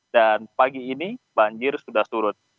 dan pagi ini banjir sudah surut